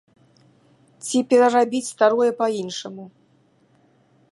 Ці перарабіць старое па-іншаму.